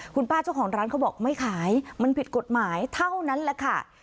คุณป้าเจ้าของร้านเขาบอกไม่ขายมันผิดกฎหมายเท่านั้นแหละค่ะ